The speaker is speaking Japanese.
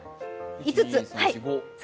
５つ。